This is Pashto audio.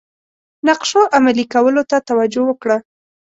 نقشو عملي کولو ته توجه وکړه.